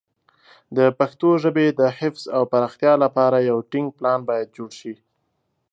د پښتو ژبې د حفظ او پراختیا لپاره یو ټینګ پلان باید جوړ شي.